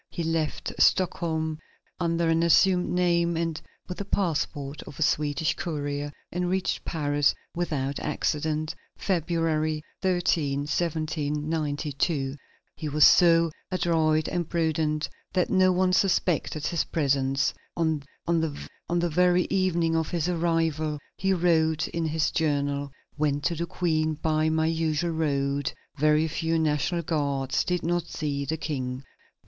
He left Stockholm under an assumed name and with the passport of a Swedish courier, and reached Paris without accident, February 13, 1792. He was so adroit and prudent that no one suspected his presence. On the very evening of his arrival he wrote in his journal: "Went to the Queen by my usual road; very few National Guards; did not see the King."